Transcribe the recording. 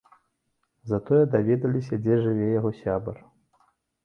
Затое даведаліся, дзе жыве яго сябар.